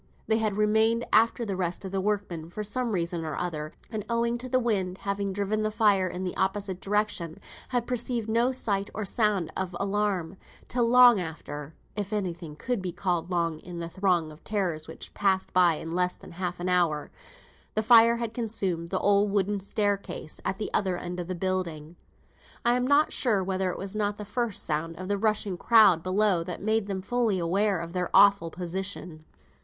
They had remained after the rest of the workmen for some reason or other, and, owing to the wind having driven the fire in the opposite direction, had perceived no sight or sound of alarm, till long after (if any thing could be called long in that throng of terrors which passed by in less time than half an hour) the fire had consumed the old wooden staircase at the other end of the building. I am not sure whether it was not the first sound of the rushing crowd below that made them fully aware of their awful position.